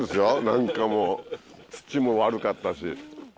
何かもう土も悪かったし。